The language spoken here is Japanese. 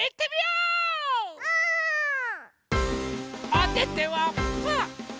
おててはパー！